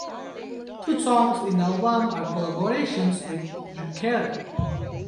Two songs in the album are collaborations with Zucchero.